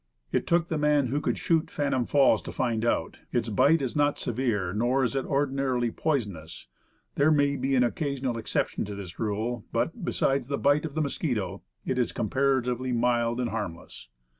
It took the man who could shoot Phantom Falls to find out, "Its bite is not severe, nor is it ordinarily poisonous. There may be an occasional exception to this rule; but beside the bite of the mosquito, it is comparatively mild and harmless."